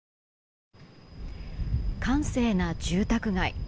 閑静な住宅街。